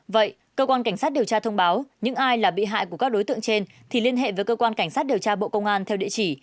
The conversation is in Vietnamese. vậy cơ quan cảnh sát điều tra thông báo những ai là bị hại của các đối tượng trên thì liên hệ với cơ quan cảnh sát điều tra bộ công an theo địa chỉ